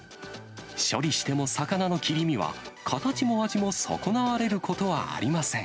処理しても魚の切り身は形も味も損なわれることはありません。